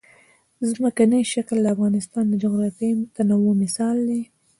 ځمکنی شکل د افغانستان د جغرافیوي تنوع مثال دی.